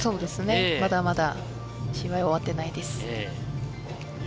まだまだ試合は終わっていないです。